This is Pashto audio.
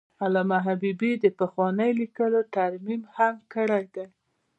علامه حبیبي د پخوانیو لیکنو ترمیم هم کړی دی.